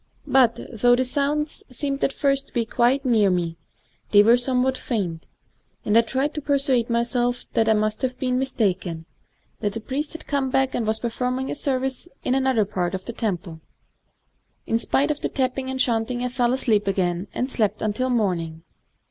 But, though the sounds seemed at first to be quite near me, they were somewhat faint ; and I tried to per suade myself that I must have been mistaken, — that the priest had come back and was perform ing a service in some other part of the temple. In spite of the tapping and chanting I fell asleep again, and slept until morning.